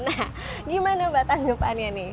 nah gimana mbak tanggapannya nih